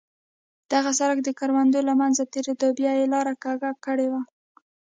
دغه سړک د کروندو له منځه تېرېده، بیا یې لاره کږه کړې وه.